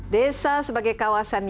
desa sebagai kawasan